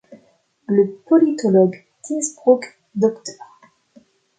Le politologue d’Innsbruck Dr.